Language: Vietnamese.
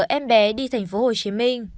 em bé đi tp hcm